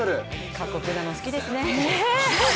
過酷なの、好きですね。